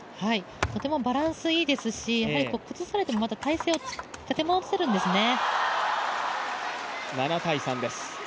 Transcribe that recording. とてもバランスいいですし、崩されても体勢を立て直せるんですね。